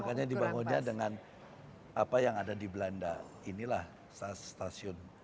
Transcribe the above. makanya dibangunnya dengan apa yang ada di belanda inilah stasiun